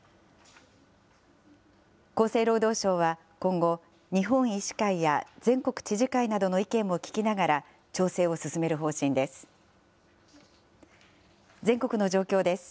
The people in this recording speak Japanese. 厚生労働省は、今後、日本医師会や全国知事会などの意見も聞きながら、調整を進める方針です。